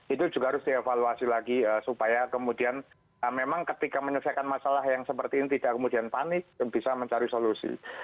itu juga harus dievaluasi lagi supaya kemudian memang ketika menyelesaikan masalah yang seperti ini tidak kemudian panik bisa mencari solusi